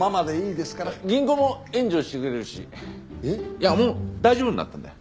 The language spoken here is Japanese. いやもう大丈夫になったんだよ。